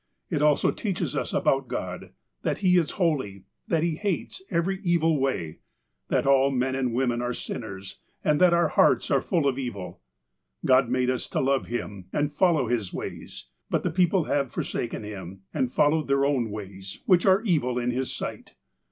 "It also teaches us about God — that He is holy, that He hates every evil way — that all men and women are sin ners, and that our hearts are full of evil. " God made us to love Him, and follow His ways ; but the people have forsaken Him, and followed their own ways, which are evil in His sight.